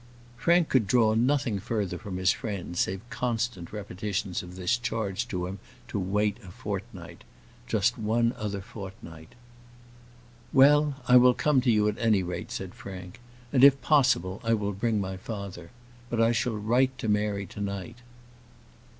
Frank could draw nothing further from his friend save constant repetitions of this charge to him to wait a fortnight, just one other fortnight. "Well, I will come to you at any rate," said Frank; "and, if possible, I will bring my father. But I shall write to Mary to night."